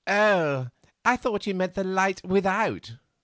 "Oh! I thought you meant the light without.